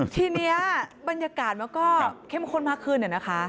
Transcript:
ทีนี้บรรยากาศมันก็เข้มข้นมากขึ้นนะคะ